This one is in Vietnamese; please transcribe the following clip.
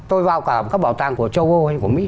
tôi vào cả các bảo tàng của châu âu hay của mỹ